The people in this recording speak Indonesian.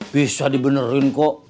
bisa dibenerin kok